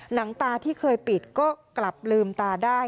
หนังตาที่เคยปิดก็กลับลืมตาได้